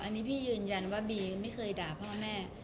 อันนี้พี่ยืนยันว่าบีไม่เคยด่าพ่อแม่